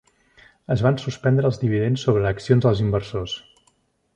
Es van suspendre els dividends sobre accions dels inversors.